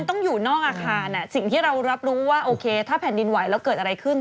ต้องอยู่นอกอาคารสิ่งที่เรารับรู้ว่าโอเคถ้าแผ่นดินไหวแล้วเกิดอะไรขึ้น